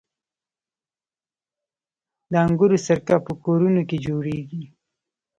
د انګورو سرکه په کورونو کې جوړیږي.